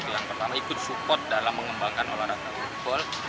yang pertama ikut support dalam mengembangkan olahraga wood bowl